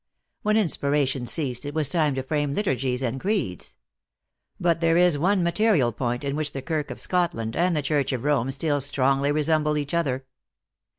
When inspiration ceased, it was time to frame liturgies and creeds. But there is one material point in which the Kirk of Scotland and the Church of Rome still strongly resemble each other."